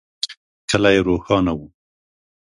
کلی روښانه و.